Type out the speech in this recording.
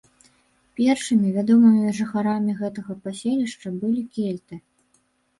Першымі вядомымі жыхарамі гэтага паселішча былі кельты.